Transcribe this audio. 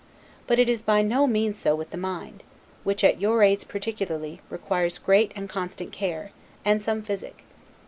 But it is by no means so with the mind, which, at your age particularly, requires great and constant care, and some physic.